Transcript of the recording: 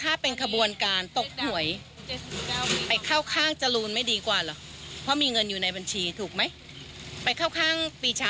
อันนี้อยากให้สังคมย้อนคิดนิดนึง